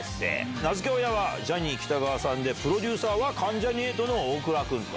名付け親はジャニー喜多川さんで、プロデューサーは関ジャニ∞の大倉君と。